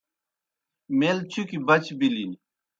میل چُکیْ بچ بِلِن۔